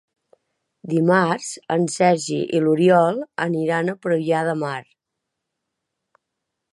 Dimarts en Sergi i n'Oriol aniran a Premià de Mar.